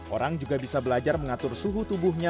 orang juga bisa belajar mengatur suhu tubuhnya